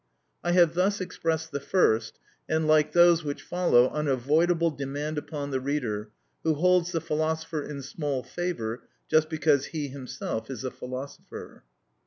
I have thus expressed the first, and like those which follow, unavoidable demand upon the reader, who holds the philosopher in small favour just because he himself is a philosopher.